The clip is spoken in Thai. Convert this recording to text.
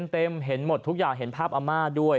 เห็นหมดทุกอย่างเห็นภาพอาม่าด้วย